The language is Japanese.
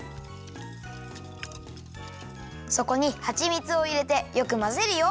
そこにはちみつをいれてよくまぜるよ。